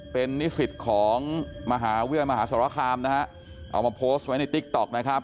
วิวัยมหาสารคามนะฮะเอามาโพสต์ไว้ในติ๊กต๊อกนะครับ